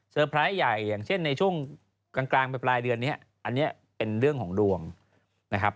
ไพรส์ใหญ่อย่างเช่นในช่วงกลางไปปลายเดือนนี้อันนี้เป็นเรื่องของดวงนะครับ